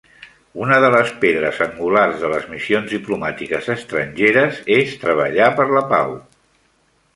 Una de les pedres angulars de les missions diplomàtiques estrangeres és treballar per la pau.